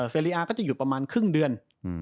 เรียอาก็จะหยุดประมาณครึ่งเดือน